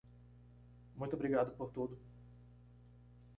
Muito obrigado por tudo.